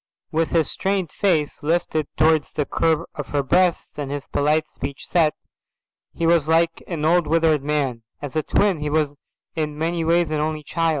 With his strained face lifted towards the curve of her breasts, and his polite set speech, he was like an old withered man. As a twin he was in many ways an only child.